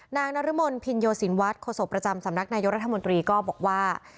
นางนรมนภินโยสินวัฒน์โฆษกประจำสำนักนายกรัฐมนตรีก็บอกว่า